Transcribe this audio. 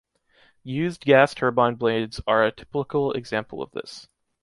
Used gas turbine blades are a typical example of this.